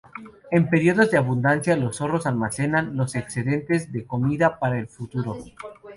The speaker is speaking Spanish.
En periodos de abundancia los zorros almacenan los excedentes de comida para el futuro.